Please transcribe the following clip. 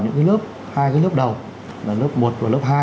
những lớp hai lớp đầu là lớp một và lớp hai